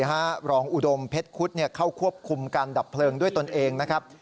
รองอุดมเพชรคุดเข้าควบคุมการดับเพลิงด้วยตนเองนะครับ